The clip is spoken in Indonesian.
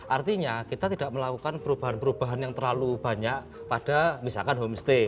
artinya kita tidak melakukan perubahan perubahan yang terlalu banyak pada misalkan homestay